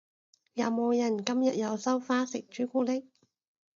有冇人今日有收花食朱古力？